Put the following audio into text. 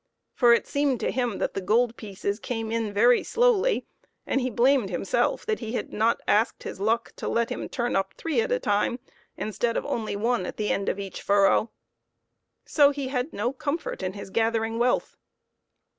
For it seemed to him that the gold pieces came in very slowly, and he blamed himself that he had not asked his luck to let him turn up three at a time instead of only one at the end of each furrow ; so he had no comfort in his gathering wealth.